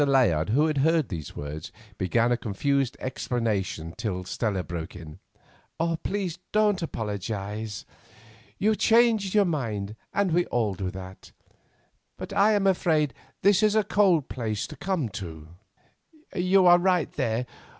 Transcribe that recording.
Layard, who had heard these words, began a confused explanation till Stella broke in. "Please don't apologise. You changed your mind, and we all do that; but I am afraid this is a cold place to come to." "You are right there.